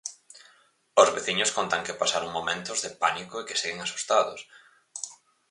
Os veciños contan que pasaron momentos de pánico e que seguen asustados.